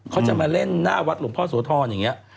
เขาจะมาเล่นหน้าวัดหลวงพ่อโสธรอย่างนี้